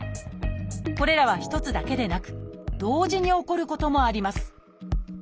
これらは一つだけでなく同時に起こることもあります